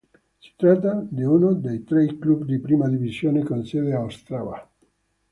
Si tratta di uno dei tre club di prima divisione con sede a Ostrava.